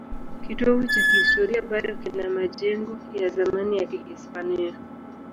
Kitovu cha kihistoria bado kina majengo ya zamani ya Kihispania.